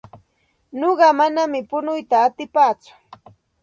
Nuqa manam punuyta atipaatsu.